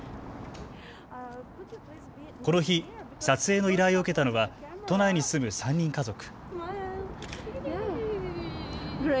この日、撮影の依頼を受けたのは都内に住む３人家族。